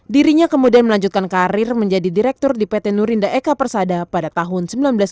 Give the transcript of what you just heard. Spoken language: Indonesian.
dirinya kemudian melanjutkan karir menjadi direktur di pt nurinda eka persada pada tahun seribu sembilan ratus sembilan puluh